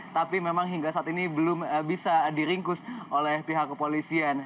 tapi memang hingga saat ini belum bisa diringkus oleh pihak kepolisian